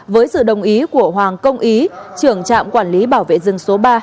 với sự đồng ý của hoàng công ý trưởng trạm quản lý bảo vệ rừng số ba